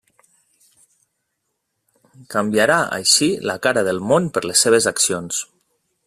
Canviarà així la cara del món per les seves accions.